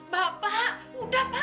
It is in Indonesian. bapak udah pak